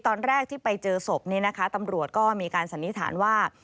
ตอนแรกที่ไปเจอศพนี้นะคะตำรวจก็มีการสันนิษฐานว่า